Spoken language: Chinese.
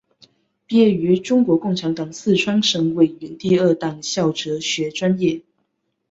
毕业于中国共产党四川省委第二党校哲学专业。